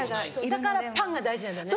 だからパンが大事なんだよね。